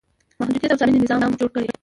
محدودیت او څارنې نظام جوړ کړي.